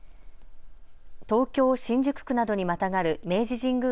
東京新宿区などにまたがる明治神宮